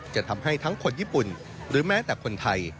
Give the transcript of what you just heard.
จะทำให้ทั้งคนญี่ปุ่นหรือแม้แต่คนไทย